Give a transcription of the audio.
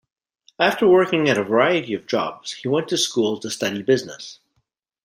After working at a variety of jobs, he went to school to study business.